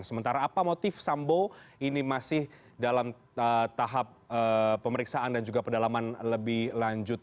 sementara apa motif sambo ini masih dalam tahap pemeriksaan dan juga pedalaman lebih lanjut